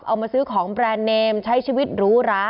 เอามาซื้อของแบรนด์เนมใช้ชีวิตหรูหรา